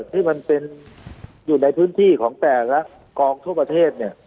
ที่มันเป็นอยู่ในพื้นที่ของแต่ละกองทั่วประเทศ